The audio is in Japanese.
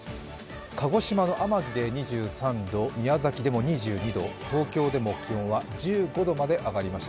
鹿児島の天城で２３度、宮崎でも２２度、東京でも気温は１５度まで上がりました。